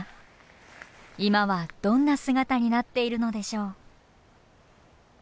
今はどんな姿になっているのでしょう？